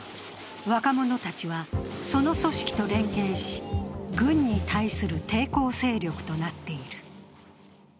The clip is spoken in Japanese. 若者たちはその組織と連携し軍に対する抵抗勢力となっている。